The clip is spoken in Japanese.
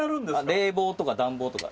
冷房とか暖房とか。